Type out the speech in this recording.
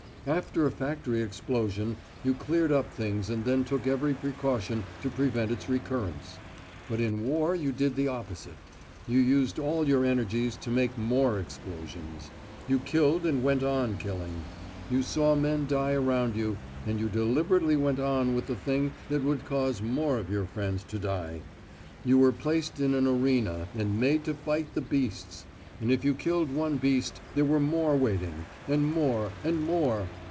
After a factory explosion you cleared up things and then took every precaution to prevent its recurrence; but in war you did the opposite, you used all your energies to make more explosions. You killed and went on killing; you saw men die around you, and you deliberately went on with the thing that would cause more of your friends to die. You were placed in an arena, and made to fight the beasts; and if you killed one beast, there were more waiting, and more and more.